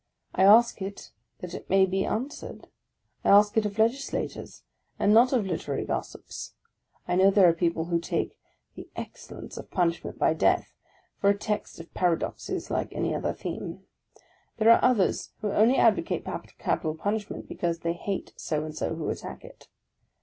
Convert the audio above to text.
I ask it that it may be an swered; I ask it of Legislators, and not of literary gossips* I know there are people who take " the excellence of punish ment by death " for a text of paradoxes, like any other theme ; there are others who only advocate capital punishment because they hate so and so who attack it.